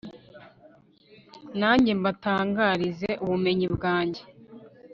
nanjye mbatangarize ubumenyi bwanjye